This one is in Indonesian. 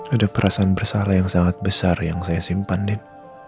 ada perasaan bersalah yang sangat besar yang saya simpan din